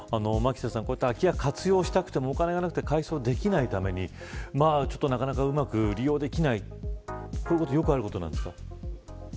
空き家を活用したくてもお金がなくて改装できないためになかなかうまく利用できないということがよくあるんですか。